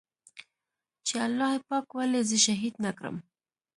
چې الله پاک ولې زه شهيد نه کړم.